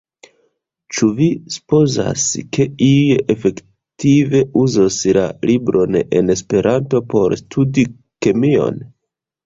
Ĉu vi supozas, ke iuj efektive uzos la libron en Esperanto por studi kemion?